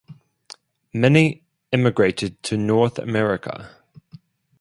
Many emigrated to North America.